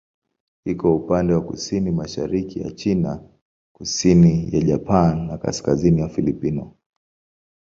Iko upande wa kusini-mashariki ya China, kusini ya Japani na kaskazini ya Ufilipino.